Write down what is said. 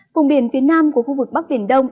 vùng biển phía nam của khu vực bắc biển đông